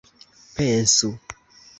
pensu